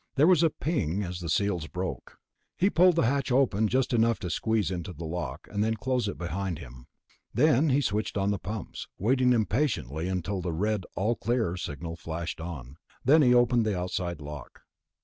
There was a ping as the seals broke. He pulled the hatch open just enough to squeeze into the lock, then closed it behind him. Then he switched on the pumps, waiting impatiently until the red "all clear" signal flashed on. Then he opened the outside lock.